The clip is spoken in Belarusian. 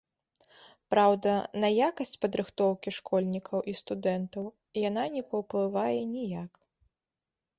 Праўда, на якасць падрыхтоўкі школьнікаў і студэнтаў яна не паўплывае ніяк.